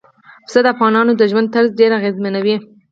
پسه د افغانانو د ژوند طرز ډېر اغېزمنوي.